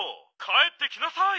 かえってきなさい！」。